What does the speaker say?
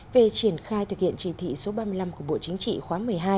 về triển khai thực hiện chỉ thị số ba mươi năm của bộ chính trị khóa một mươi hai